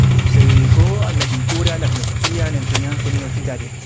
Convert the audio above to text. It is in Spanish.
Se dedicó a la pintura, la filosofía, la enseñanza universitaria.